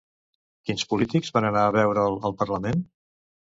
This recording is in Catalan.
Quins polítics van anar a veure'l al Parlament?